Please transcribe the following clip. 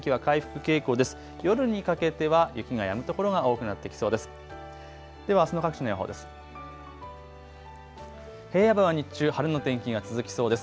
夜にかけては雪がやむ所が多くなってきそうです。